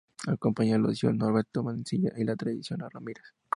Acompañó a Lucio Norberto Mansilla en la traición a Ramírez.